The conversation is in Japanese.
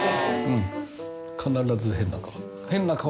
うん必ず変な顔。